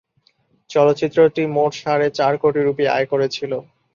চলচ্চিত্রটি মোট সাড়ে চার কোটি রূপী আয় করেছিলো।